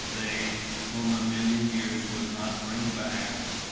They, whom a million years would not bring back.